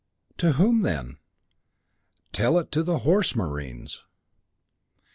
"To whom, then?" "Tell it to the Horse Marines."